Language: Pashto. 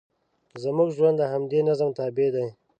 زموږ ژوند د همدې نظم تابع دی.